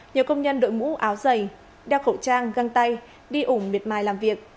nhờ công nhân đội mũ áo dày đeo khẩu trang găng tay đi ủng miệt mài làm việc